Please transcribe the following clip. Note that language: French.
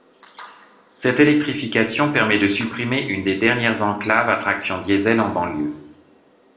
Cette électrification permet de supprimer une des dernières enclaves à traction diesel en banlieue.